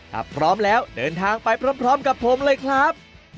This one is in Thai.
ถ้าพร้อมแล้วเดินทางไปพร้อมกับผมเลยครับ